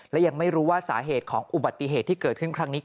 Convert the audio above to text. และยังไม่รู้ว่าสาเหตุของอุบัติเหตุที่เกิดขึ้นครั้งนี้